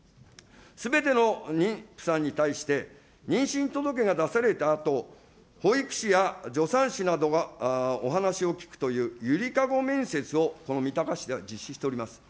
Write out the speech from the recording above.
すべての妊婦さんに対して、妊娠届が出されたあと、保育士や助産師などがお話を聞くというゆりかご面接を、この三鷹市では実施しております。